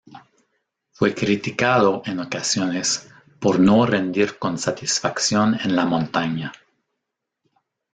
Fue criticado, en ocasiones, por no rendir con satisfacción en la montaña.